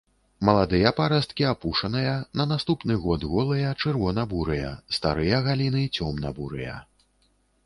Маладыя парасткі апушаныя, на наступны год голыя, чырвона-бурыя, старыя галіны цёмна-бурыя.